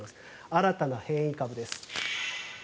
新たな変異株です。